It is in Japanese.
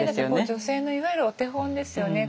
女性のいわゆるお手本ですよね。